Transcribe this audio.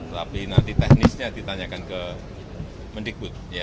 tapi nanti teknisnya ditanyakan ke mendikbud